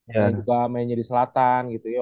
misalnya juga mainnya di selatan gitu ya